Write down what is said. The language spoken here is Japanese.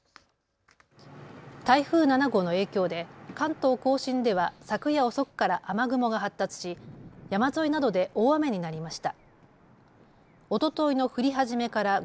台風７号の影響で関東甲信では昨夜遅くから雨雲が発達し山沿いなどで大雨になりました。